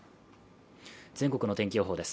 全国の天気予報です。